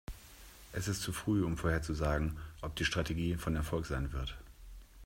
Es ist zu früh, um vorherzusagen, ob die Strategie von Erfolg sein wird.